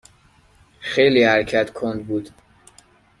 خیلی حرکت کند بود.